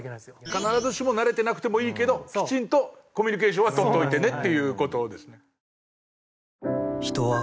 必ずしも慣れてなくてもいいけどきちんとコミュニケーションはとっておいてねっていう事ですね。